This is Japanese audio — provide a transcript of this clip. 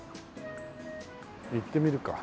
行ってみるか。